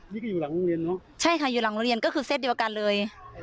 นี่ก็อยู่หลังโรงเรียนเนอะใช่ค่ะอยู่หลังโรงเรียนก็คือเซตเดียวกันเลย